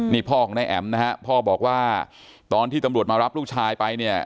นี่พ่อของนายแอ๋มนะฮะพ่อบอกว่าตอนที่ตำรวจมารับลูกชายไปเนี่ย